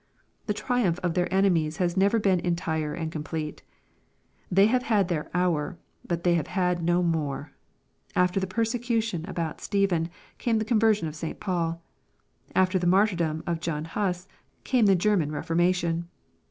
The triumph of their enemies has never been entire and complete. They have had their "hour," but they have had no more. After the persecution about Ste phen, came the conversion of St. Paul. After the martyr dom of John Huss, came the German Eeformation.